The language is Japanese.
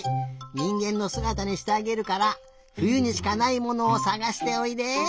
にんげんのすがたにしてあげるからふゆにしかないものをさがしておいで。